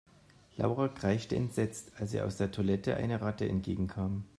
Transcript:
Laura kreischte entsetzt, als ihr aus der Toilette eine Ratte entgegenkam.